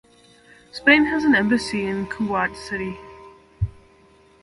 Spain has an embassy in Kuwait City.